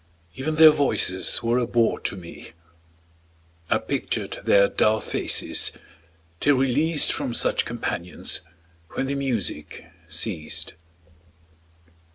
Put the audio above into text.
Even their voices were a bore to me; I pictured their dull faces, till released From such companions, when the music ceased.